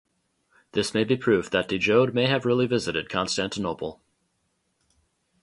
This may be proof that de Jode may have really visited Constantinople.